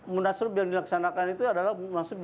munaslub yang dilaksanakan itu adalah